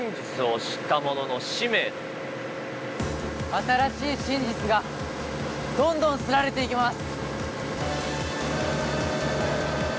新しい真実がどんどん刷られていきます！